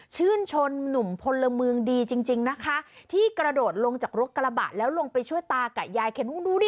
ชื่นชมหนุ่มพลเมืองดีจริงจริงนะคะที่กระโดดลงจากรถกระบะแล้วลงไปช่วยตากับยายเข็นดูดิ